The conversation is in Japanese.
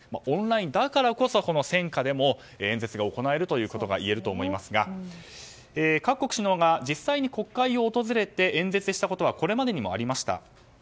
オンラインだからこそ戦下でも演説が行えるということがいえますが各国首脳が実際に国会を訪れて演説したことはこれまでにもありました。